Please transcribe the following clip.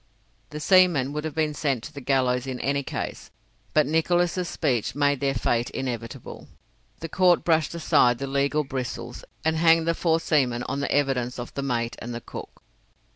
The seamen would have been sent to the gallows in any case, but Nicholas' speech made their fate inevitable. The court brushed aside the legal bristles, and hanged the four seamen on the evidence of the mate and the cook.